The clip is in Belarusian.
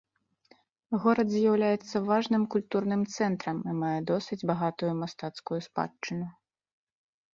Горад з'яўляецца важным культурным цэнтрам і мае досыць багатую мастацкую спадчыну.